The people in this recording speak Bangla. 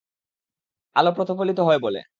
আলো প্রতিফলিত হয় বলে।